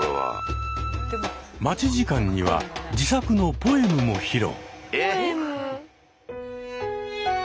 待ち時間には自作のポエムも披露。